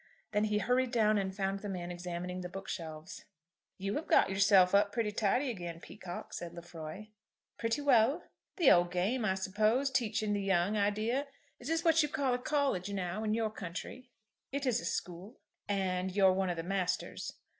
Then he hurried down and found the man examining the book shelves. "You have got yourself up pretty tidy again, Peacocke," said Lefroy. "Pretty well." "The old game, I suppose. Teaching the young idea. Is this what you call a college, now, in your country?" "It is a school." "And you're one of the masters."